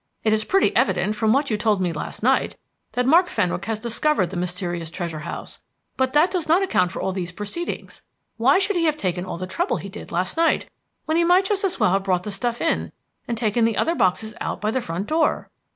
"It is pretty evident, from what you told me last night, that Mark Fenwick has discovered the mysterious treasure house, but that does not account for all these proceedings. Why should he have taken all the trouble he did last night, when he might just as well have brought the stuff in, and taken the other boxes out by the front door?"